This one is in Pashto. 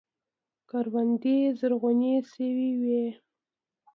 کروندې زرغونې شوې وې.